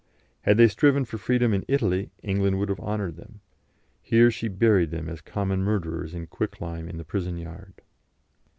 Had they striven for freedom in Italy England would have honoured them; here she buried them as common murderers in quicklime in the prison yard.